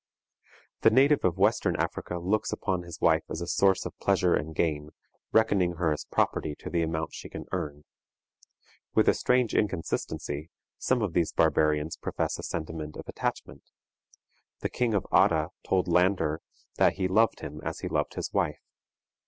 The native of Western Africa looks upon his wife as a source of pleasure and gain, reckoning her as property to the amount she can earn. With a strange inconsistency, some of these barbarians profess a sentiment of attachment. The King of Atta told Lander that he loved him as he loved his wife.